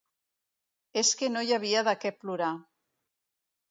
Es que no hi havia de què plorar.